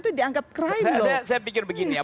itu dianggap krim loh saya pikir begini ya